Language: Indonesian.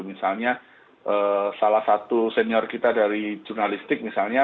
misalnya salah satu senior kita dari jurnalistik misalnya